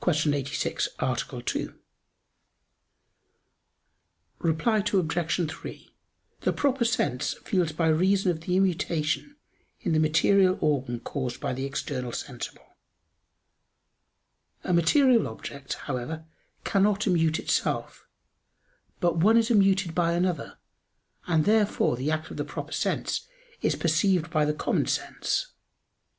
86, A. 2). Reply Obj. 3: The proper sense feels by reason of the immutation in the material organ caused by the external sensible. A material object, however, cannot immute itself; but one is immuted by another, and therefore the act of the proper sense is perceived by the common sense.